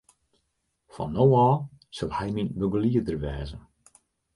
Fan no ôf sil hy myn begelieder wêze.